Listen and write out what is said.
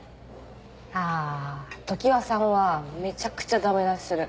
あ常葉さんはめちゃくちゃダメ出しする。